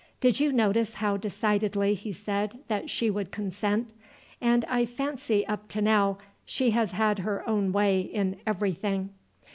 Did you notice how decidedly he said that she would consent? And I fancy up to now she has had her own way in everything."